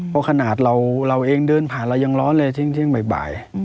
เพราะขนาดเราเองเดินผ่านเรายังร้อนเลยเที่ยงบ่าย